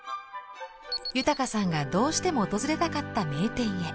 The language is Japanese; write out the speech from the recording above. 豊さんがどうしても訪れたかった名店へ。